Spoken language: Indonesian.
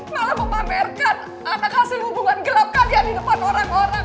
malah memamerkan anak hasil hubungan gelap kalian di depan orang orang